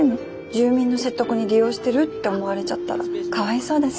住民の説得に利用してるって思われちゃったらかわいそうだし。